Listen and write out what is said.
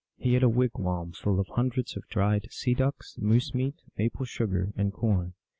He had a wigwam full of hundreds of dried sea ducks, moose meat, maple sugar, and corn.